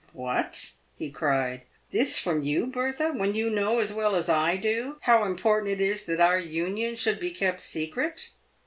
" What !" he cried, " this from you, Bertha, when you know, as well as I do, how important it is that our union should be kept secret